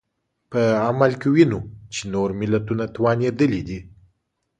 په عمل کې وینو چې نور ملتونه توانېدلي دي.